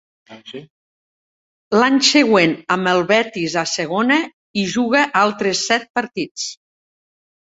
L'any següent, amb el Betis a Segona, hi juga altres set partits.